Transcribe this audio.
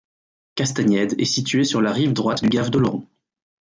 Castagnède est située sur la rive droite du gave d'Oloron.